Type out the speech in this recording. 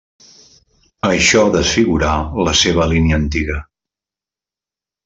Això desfigurà la seva línia antiga.